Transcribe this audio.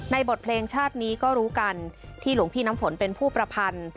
บทเพลงชาตินี้ก็รู้กันที่หลวงพี่น้ำฝนเป็นผู้ประพันธ์